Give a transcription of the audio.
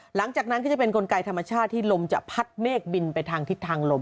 หลังจากนั้นก็จะเป็นกลไกธรรมชาติที่ลมจะพัดเมฆบินไปทางทิศทางลม